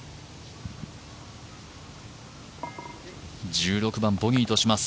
１６番、ボギーとします。